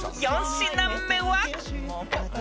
［４品目は？］